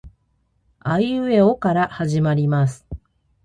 あいうえおから始まります